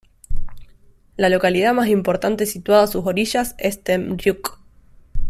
La localidad más importante situada a sus orillas es Temriuk.